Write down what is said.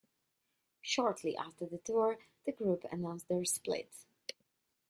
Shortly after the tour, the group announced their split.